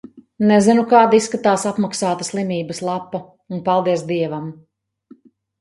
Nezinu, kāda izskatās apmaksāta "slimības lapa". Un, paldies Dievam.